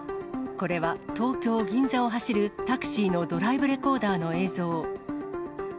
これは東京・銀座を走る、タクシーのドライブレコーダーの映像。